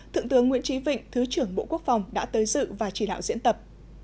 thượng tướng nguyễn trí vịnh thứ trưởng bộ quốc phòng đã tới dự và chỉ đạo diễn tập